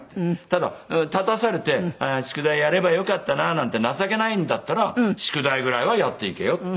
ただ立たされて宿題やればよかったななんて情けないんだったら宿題ぐらいはやっていけよって。